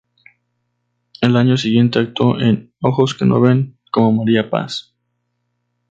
El año siguiente actuó en "Ojos que no ven" como María Paz.